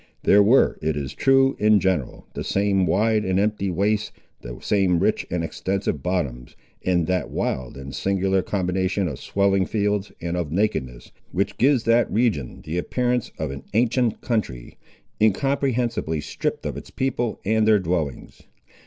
There were, it is true, in general, the same wide and empty wastes, the same rich and extensive bottoms, and that wild and singular combination of swelling fields and of nakedness, which gives that region the appearance of an ancient country, incomprehensibly stripped of its people and their dwellings.